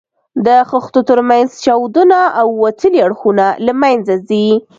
د خښتو تر منځ چاودونه او وتلي اړخونه له منځه ځي.